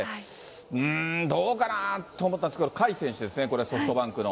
うーん、どうかなと思ったんですけど、甲斐選手ですね、これ、ソフトバンクの。